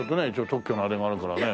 特許のあれがあるからね。